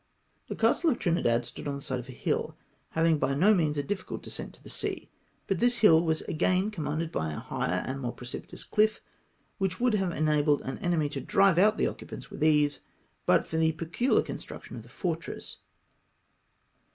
The Castle of Trinidad stood on the side of a hill, ha\dug by no means a difficult descent to the sea, but this liill was ao ain commanded bv a hio her and more precipitous chff, which would have enabled an enemy to drive out the occupants ^vith ease, but for the pecu har construction of the fortress.